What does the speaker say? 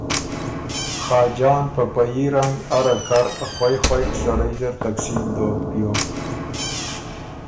خاجان په په يي رنګ اره کر خوئ خوئ سړئ زر تقسیم دوک بیوک